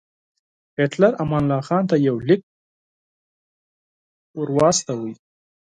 هیټلر امان الله خان ته یو لیک واستاوه.